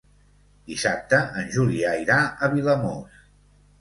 Dissabte en Julià irà a Vilamòs.